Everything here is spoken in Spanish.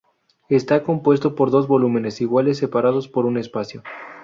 Está compuesto por dos volúmenes iguales separados por un espacio.